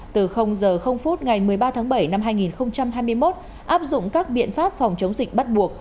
từ h ngày một mươi ba tháng bảy năm hai nghìn hai mươi một áp dụng các biện pháp phòng chống dịch bắt buộc